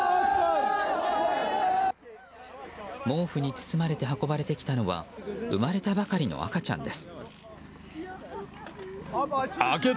毛布に包まれて運ばれてきたのは生まれたばかりの赤ちゃんです。